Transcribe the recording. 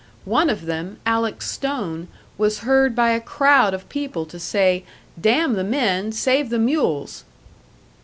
One of them, Alec Stone, was heard by a crowd of people to say, 'Damn the men! Save the mules!'"